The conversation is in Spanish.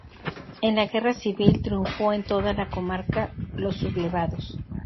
En la Guerra Civil triunfó en toda la comarca los sublevados.